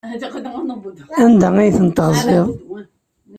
Anda ay ten-teɣziḍ?